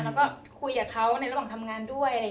แล้วก็คุยกับเขาในระหว่างทำงานด้วย